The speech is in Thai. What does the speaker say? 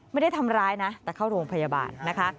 ไม่ได้ทำร้ายนะแต่เข้าโรงพยาบาลนะคะ